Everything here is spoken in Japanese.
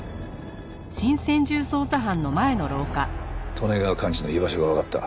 利根川寛二の居場所がわかった？